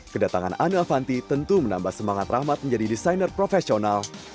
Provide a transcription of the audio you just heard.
kedatangan ani avanti tentu menambah semangat rahmat menjadi desainer profesional